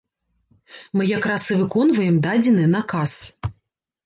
Мы як раз і выконваем дадзены наказ.